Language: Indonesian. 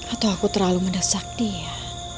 atau aku terlalu mendesak dia